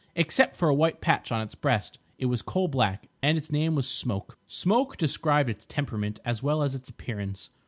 Except for a white patch on its breast it was coal black. And its name was—Smoke. "Smoke" described its temperament as well as its appearance.